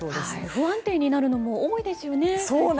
不安定になるのも多いですよね、最近。